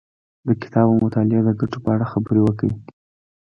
د کتاب او مطالعې د ګټو په اړه خبرې وکړې.